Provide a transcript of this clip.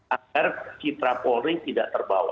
agar citra polri tidak terbawa